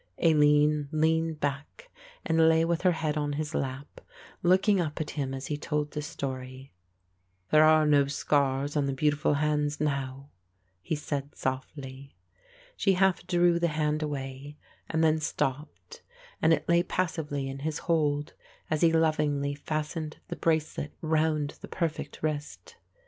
Aline leaned back and lay with her head on his lap, looking up at him as he told the story. "There are no scars on the beautiful hands now," he said softly. She half drew the hand away and then stopped and it lay passively in his hold as he lovingly fastened the bracelet round the perfect wrist.